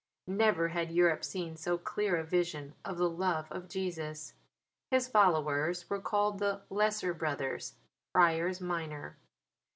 Never had Europe seen so clear a vision of the love of Jesus. His followers were called the Lesser Brothers (Friars Minor).